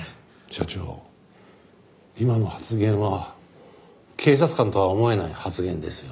署長今の発言は警察官とは思えない発言ですよ。